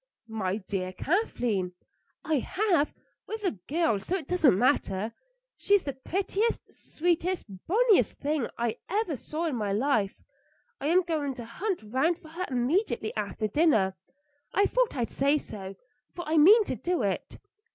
"My dear Kathleen!" "I have with a girl, so it doesn't matter. She's the prettiest, sweetest, bonniest thing I ever saw in my life. I am going to hunt round for her immediately after dinner. I thought I'd say so, for I mean to do it."